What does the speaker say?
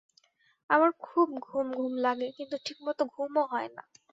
আমার খুব ঘুম ঘুম লাগে কিন্তু ঠিকমত ঘুমও হয় না